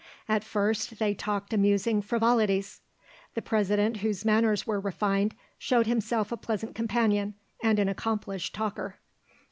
At first they talked amusing frivolities. The President, whose manners were refined, showed himself a pleasant companion and an accomplished talker.